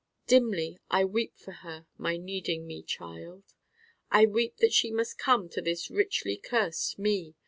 Dimly I weep for her, my needing me Child. I weep that she must come to this richly cursed me.